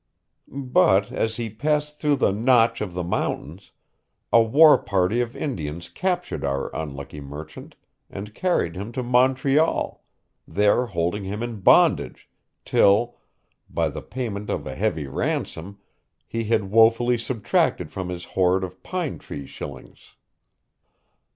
But, as he passed through the Notch of the mountains, a war party of Indians captured our unlucky merchant, and carried him to Montreal, there holding him in bondage, till, by the payment of a heavy ransom, he had woefully subtracted from his hoard of pine tree shillings.